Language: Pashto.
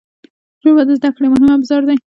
ژبه د زده کړې مهم ابزار دی